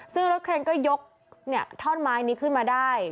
ซึ่งรถเครนก็ยกท่อนไม้นี้ขึ้นมาได้